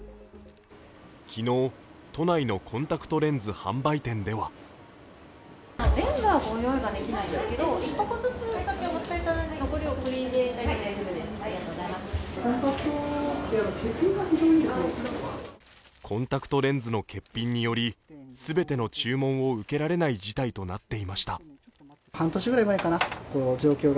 昨日、都内のコンタクトレンズ販売店ではコンタクトレンズの欠品により全ての注文を受けられない事態となっていました。